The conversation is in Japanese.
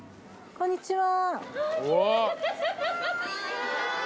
こんにちは。